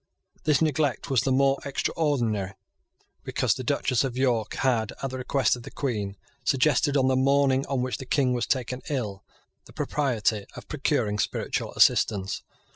This neglect was the more extraordinary because the Duchess of York had, at the request of the Queen, suggested, on the morning on which the King was taken ill, the propriety of procuring spiritual assistance.